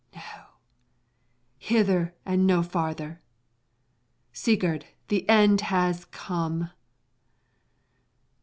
No! Hither and no farther! Sigurd, the end has come!